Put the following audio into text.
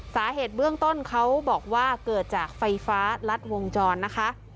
สาเหตุเบื้องต้นเขาบอกว่าเกิดจากไฟฟ้ารัดวงจรนะคะ